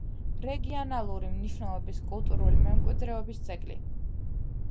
რეგიონალური მნიშვნელობის კულტურული მემკვიდრეობის ძეგლი.